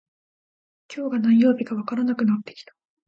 今日が何曜日かわからなくなってきた